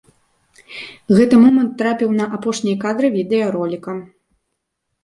Гэты момант трапіў на апошнія кадры відэароліка.